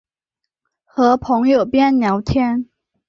和朋友边聊天